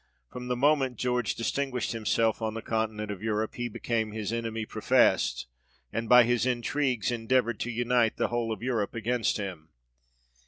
From the moment George distinguished himself on the continent of Europe, he became his enemy professed, and by his intrigues endeavoured to unite the whole force of Europe against him.